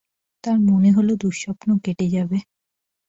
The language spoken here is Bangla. তাঁর মনে হলো, দুঃস্বপ্ন কেটে যাবে।